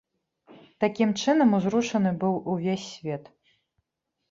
Такім чынам, узрушаны быў увесь свет.